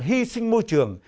hy sinh môi trường